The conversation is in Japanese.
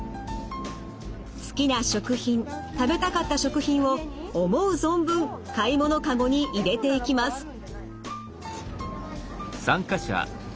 好きな食品食べたかった食品を思う存分買い物かごに入れていきます。